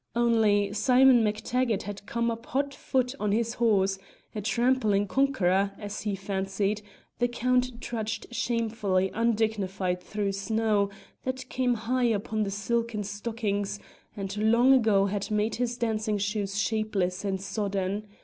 Only, Simon MacTaggart had come up hot foot on his horse, a trampling conqueror (as he fancied), the Count trudged shamefully undignified through snow that came high upon the silken stockings, and long ago had made his dancing shoes shapeless and sodden.